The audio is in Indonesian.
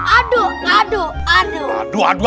aduh aduh aduh